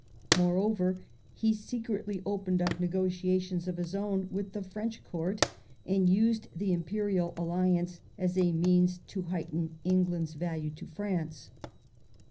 Moreover, he secretly opened up negotiations of his own with the French Court, and used the imperial alliance as a means to heighten England's value to France.